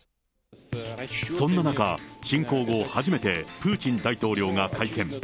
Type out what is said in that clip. そんな中、侵攻後初めて、プーチン大統領が会見。